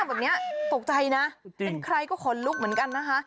เป็นใครก็คนลุกเหมือนกันนะคะ